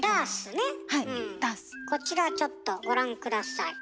こちらちょっとご覧下さい。